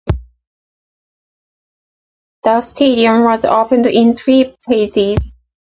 The stadium was opened in three phases.